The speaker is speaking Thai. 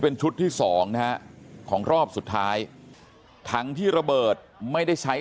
เป็นชุดที่สองนะฮะของรอบสุดท้ายถังที่ระเบิดไม่ได้ใช้